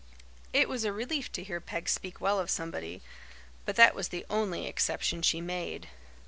It was a relief to hear Peg speak well of somebody; but that was the only exception she made.